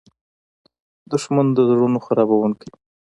دښمن د زړونو خرابوونکی وي